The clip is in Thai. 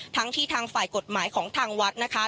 ทั้งที่ทางฝ่ายกฎหมายของทางวัดนะคะ